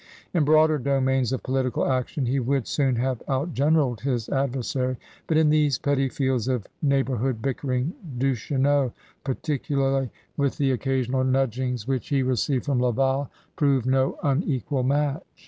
In broader domains of political action he would soon have out generaled his adversary, but in these petty fields of neighbor hood bickering Duchesneau, particularly with the occasional nudgings which he received from Laval, 9£ CRUSADERS OP NEW FRANCE proved no unequal match.